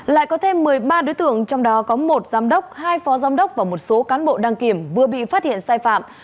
lại có thêm một mươi ba đối tượng trong đó có một giám đốc hai phó giám đốc và một số cán bộ đăng kiểm vừa bị phát hiện sai phạm